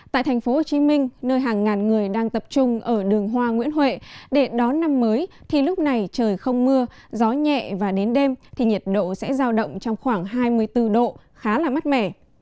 tại thành phố hồ chí minh nơi hàng ngàn người đang tập trung ở đường hoa nguyễn huệ để đón năm mới thì lúc này trời không mưa gió nhẹ và đến đêm thì nhiệt độ sẽ giao động trong khoảng hai mươi bốn độ khá là mát mẻ